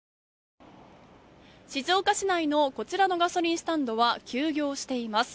静岡市内のこちらのガソリンスタンドは休業しています。